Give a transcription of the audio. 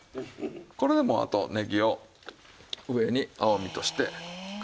これでもうあとねぎを上に青みとして飾ろうかという事。